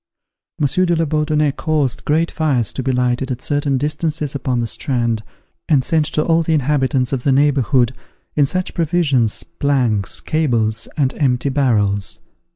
Monsieur de la Bourdonnais caused great fires to be lighted at certain distances upon the strand, and sent to all the inhabitants of the neighbourhood, in search of provisions, planks, cables, and empty barrels.